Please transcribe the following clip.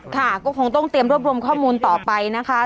ค่ะก็คงต้องเตรียมรวบรวมข้อมูลต่อไปนะคะ